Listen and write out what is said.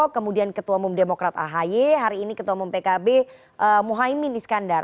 kemudian ketua umum demokrat ahy hari ini ketua umum pkb muhaymin iskandar